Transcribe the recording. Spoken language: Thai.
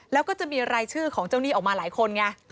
แล้วก็จะมีรายชื่อของเจ้าหนี้ออกมาหลายคนไง